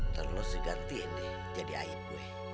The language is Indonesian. ntar lo segantiin deh jadi aib gue